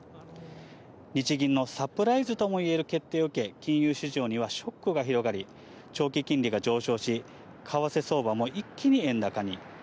日銀のサプライズともいえる決定を受け、金融市場にはショックが広がり、長期金利が上昇し、為替相場も一気に円高に。